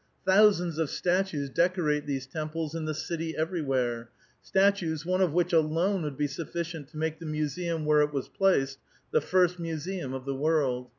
Thousands of statues decorate th<«e temples and the city everywhere, — statues, one of which alone would be sutfieient to make the museum where It was placed the first museum of the world.